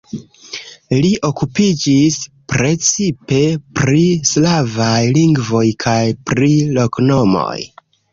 Li okupiĝis precipe pri slavaj lingvoj kaj pri loknomoj.